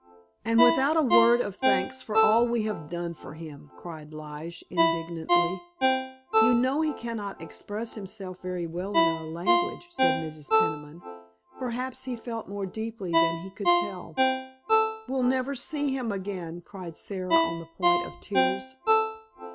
"And without a word of thanks for all we have done for him!" cried Lige indignantly. "You know he cannot express himself very well in our language," said Mrs. Peniman. "Perhaps he felt more deeply than he could tell." "We'll never see him again!" cried Sara on the point of tears.